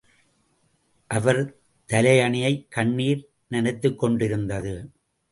அவர் தலையணையை கண்ணீர் நனைத்துக்கொண்டிருந்தது.